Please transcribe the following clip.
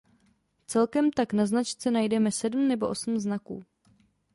Celkem tak na značce najdeme sedm nebo osm znaků.